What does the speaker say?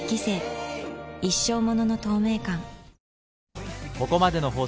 一生ものの透明感